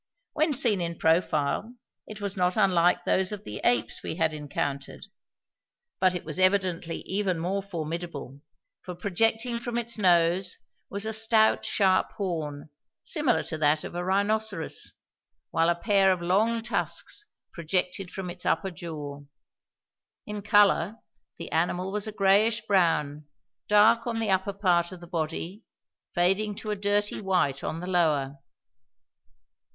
When seen in profile it was not unlike those of the apes we had encountered, but it was evidently even more formidable, for projecting from its nose was a stout, sharp horn, similar to that of a rhinoceros, while a pair of long tusks projected from its upper jaw. In colour the animal was a greyish brown, dark on the upper part of the body, fading to a dirty white on the lower.